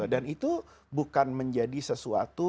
dan itu bukan menjadi sesuatu